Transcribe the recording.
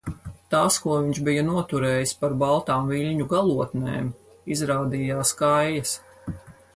Tās, ko viņš bija noturējis par baltām viļņu galotnēm, izrādījās kaijas.